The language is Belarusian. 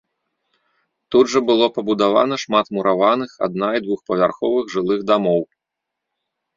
Тут жа было пабудавана шмат мураваных адна і двухпавярховых жылых дамоў.